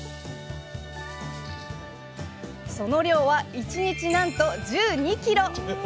その量は１日なんと１２ｋｇ。